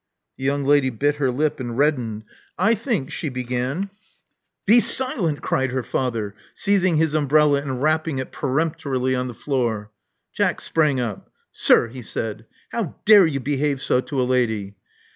The young lady bit her lip and reddened. I think —" she began. 62 Love Among the Artists Be silent, '* cried her father, seizing his umbrella and rapping it peremptorily on the floor. Jack sprang up. *' Sir, '' he said :* *how dare you behave so to a lady?